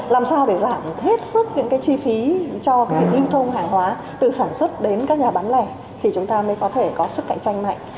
làm sao để giảm hết sức những cái chi phí cho việc lưu thông hàng hóa từ sản xuất đến các nhà bán lẻ thì chúng ta mới có thể có sức cạnh tranh mạnh